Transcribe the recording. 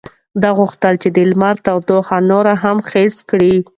ده غوښتل چې د لمر تودوخه نوره هم حس کړي.